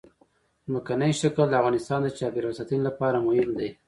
ځمکنی شکل د افغانستان د چاپیریال ساتنې لپاره مهم دي.